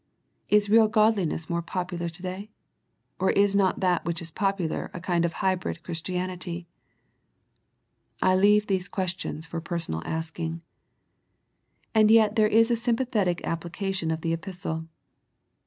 Is real Godliness more popular to day, or is not that which is popular a kind of hybrid Christianity ? I leave these questions for personal asking. And yet there is a sympathetic application of the epistle.